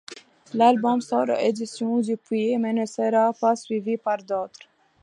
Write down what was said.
L'album sort aux éditions Dupuis, mais ne sera pas suivi par d'autres.